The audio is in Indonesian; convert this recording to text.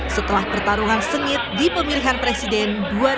setelah pertarungan sengit di pemilihan presiden dua ribu dua puluh empat